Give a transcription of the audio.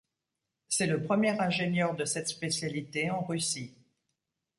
C'est le premier ingénieur de cette spécialité en Russie.